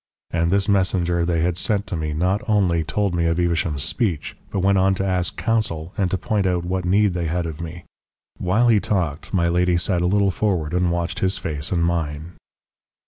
And this messenger they had sent to me not only told me of Evesham's speech, but went on to ask counsel and to point out what need they had of me. While he talked, my lady sat a little forward and watched his face and mine.